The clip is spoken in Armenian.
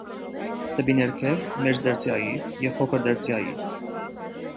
Դեպի ներքև՝ մեծ տերցիայից և փոքր տերցիայից։